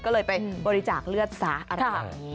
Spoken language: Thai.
ก็เลยไปบริจาคเลือดซะอะไรแบบนี้